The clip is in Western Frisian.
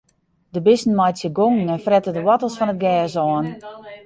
De bisten meitsje gongen en frette de woartels fan it gers oan.